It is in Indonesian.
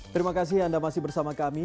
terima kasih anda masih bersama kami